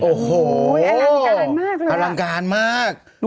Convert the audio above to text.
โอ้โหอลังการมากเลยอ่ะดูห้างเขาสิน่าจะเป็นเวิร์ดเทรดอ่ะโอ้โหอลังการมากเลยอ่ะ